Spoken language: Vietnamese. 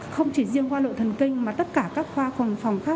không chỉ riêng khoa nội thần kinh mà tất cả các khoa phòng khác